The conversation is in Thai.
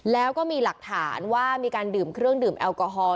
แล้วก็มีหลักฐานว่ามีการดื่มเครื่องดื่มแอลกอฮอล